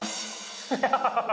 ハハハハ。